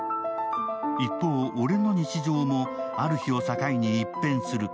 一方、俺の日常もある日を境に一変する。